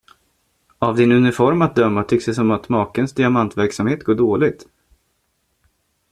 Av din uniform att dömma, tycks det som om makens diamantverksamhet går dåligt?